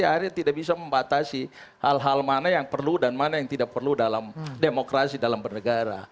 akhirnya tidak bisa membatasi hal hal mana yang perlu dan mana yang tidak perlu dalam demokrasi dalam bernegara